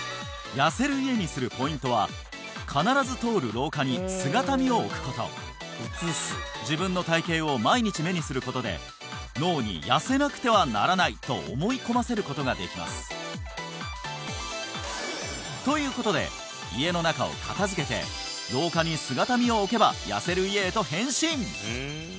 ここにはあなるほど自分の体形を毎日目にすることで脳に「痩せなくてはならない」と思い込ませることができますということで家の中を片付けて廊下に姿見を置けば痩せる家へと変身！